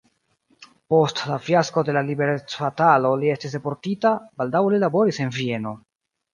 Post la fiasko de la liberecbatalo li estis deportita, baldaŭe li laboris en Vieno.